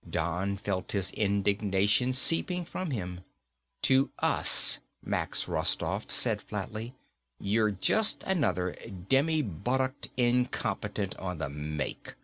Don felt his indignation seeping from him. "To us," Max Rostoff said flatly, "you're just another demi buttocked incompetent on the make."